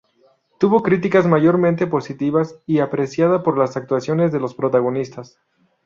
Tuvo críticas mayormente positivas y apreciada por las actuaciones de los protagonistas.